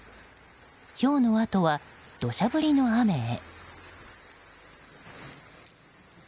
ひょうのあとは、土砂降りの雨へ。